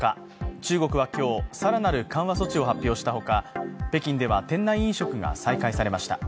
中国は今日、更なる緩和措置を発表したほか北京では店内飲食が再開されました。